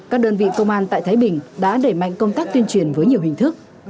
các đơn vị công an tại thái bình đã đẩy mạnh công tác tuyên truyền với nhiều hình thức